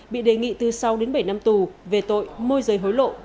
bị đề nghị từ sáu đến bảy năm tù về tội môi rời hối lộ